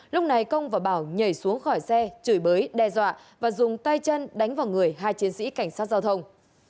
lúc này công và bảo nhảy xuống khỏi xe chửi bới đe dọa và dùng tay chân đánh vào người hai chiến sĩ cảnh sát giao thông